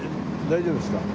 大丈夫ですか？